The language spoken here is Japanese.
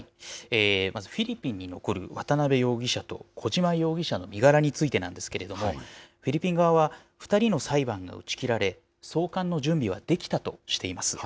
まず、フィリピンに残る渡邉容疑者と小島容疑者の身柄についてなんですけれども、フィリピン側は、２人の裁判が打ち切られ、送還の準備はできたとしています。